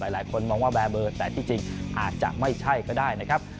หลายคนมองว่าแบบเบอร์แต่ที่จริงอาจจะไม่ใช่ก็ได้นะครับ